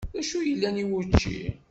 D acu yellan i wučči?